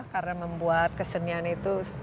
karena membuat kesenian itu